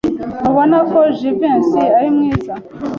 Ntubona ko Jivency ari mwiza?